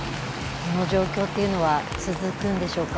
この状況っていうのは、続くんでしょうか。